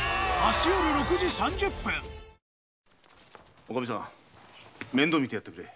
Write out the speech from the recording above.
おかみさん面倒みてやってくれ。